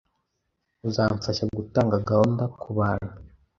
Uzamfasha gutanga gahunda kubantu?